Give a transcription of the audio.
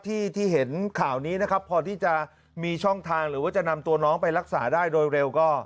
ที่เห็นข่าวนี้นะครับพอที่จะมีช่องทางหรือว่าจะนำตัวน้องไปรักษาได้โดยเร็วก็